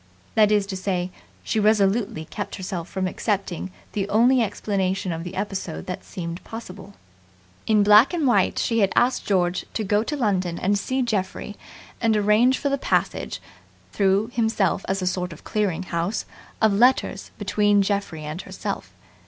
That is to say, she resolutely kept herself from accepting the only explanation of the episode that seemed possible. In black and white she had asked George to go to London and see Geoffrey and arrange for the passage through himself as a sort of clearing house of letters between Geoffrey and herself.